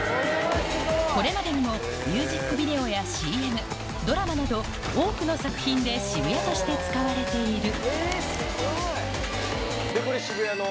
これまでにもミュージックビデオやＣＭドラマなど多くの作品で渋谷として使われているでこれ渋谷の。